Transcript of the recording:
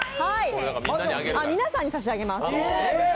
皆さんに差し上げます。